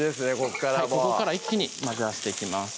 ここからここから一気に混ぜ合わしていきます